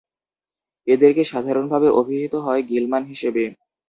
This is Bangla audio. এদেরকে সাধারণভাবে অভিহিত হয় গিলমান হিসেবে।